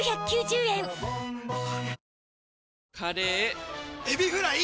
カレーエビフライ！